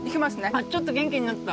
あちょっと元気になった。